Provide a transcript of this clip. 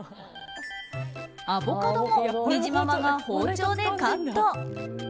アボカドもにじままが包丁でカット。